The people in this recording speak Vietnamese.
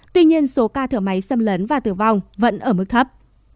tuy nhiên số ca thở máy xâm lấn và tử vong vẫn ở mức thấp